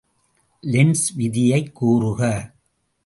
Lens விதியைக் கூறுக.